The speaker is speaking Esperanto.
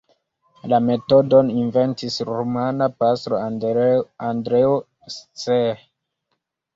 La metodon inventis rumana pastro Andreo Cseh.